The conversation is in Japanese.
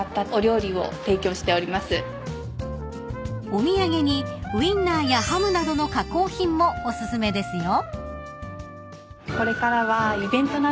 ［お土産にウインナーやハムなどの加工品もお薦めですよ］